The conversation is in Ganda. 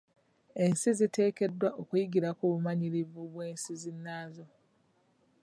Ensi ziteekeddwa okuyigira ku bumanyirivu bw'ensi zinnaazo.